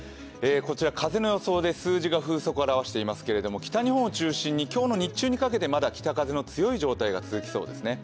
こちら風の予想で数字が風速を現していますが、北日本を中心に日中を中心に北風が強い状態が続きそうですね。